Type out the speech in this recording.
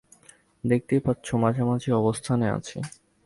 দেখতেই পাচ্ছ মাঝামাঝি অবস্থানে আছি।